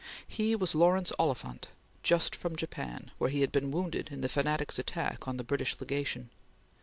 He was Lawrence Oliphant, just from Japan, where he had been wounded in the fanatics' attack on the British Legation.